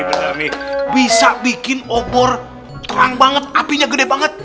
bisa bikin obor terang banget apinya gede banget